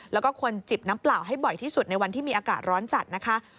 แล้วก็คนจิบน้ำเปล่าให้บ่อยที่สุดในวันที่มีอากาศร้อนจัดนะคะ